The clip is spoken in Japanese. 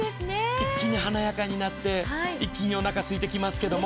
一気に華やかになって一気におなかすいてきますけど。